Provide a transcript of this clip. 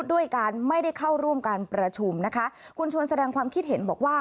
ด้วยการไม่ได้เข้าร่วมการประชุมนะคะคุณชวนแสดงความคิดเห็นบอกว่า